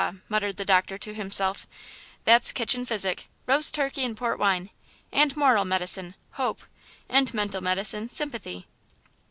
muttered the doctor to himself; "that's kitchen physic–roast turkey and port wine–and moral medicine, hope–and mental medicine, sympathy."